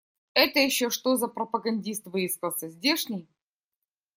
Это еще что за пропагандист выискался? Здешний?